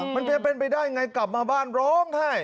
มันจะเป็นไปได้ไงกลับมาบ้านร้องไห้